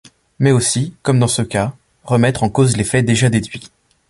Mais aussi, comme dans ce cas, remettre en cause les faits déjà déduits.